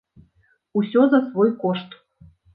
Усё за свой кошт.